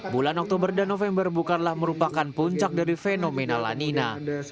bulan oktober dan november bukanlah merupakan puncak dari fenomena lanina